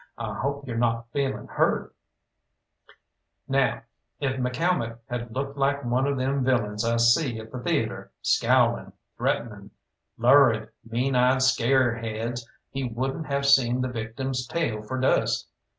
I hope yo're not feeling hurt?" Now if McCalmont had looked like one of them villains I see at the theatre, scowling, threatening, lurid, mean eyed scareheads, he wouldn't have seen the victim's tail for dust.